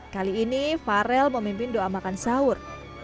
kali ini farel memimpin doa makan sahur